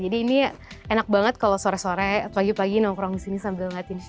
jadi ini enak banget kalau sore sore pagi pagi nongkrong disini sambil ngeliatin view